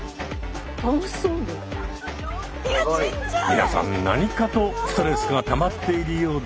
皆さん何かとストレスがたまっているようで。